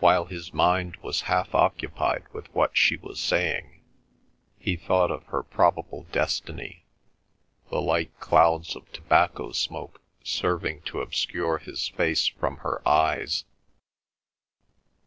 While his mind was half occupied with what she was saying, he thought of her probable destiny, the light clouds of tobacco smoke serving to obscure his face from her eyes.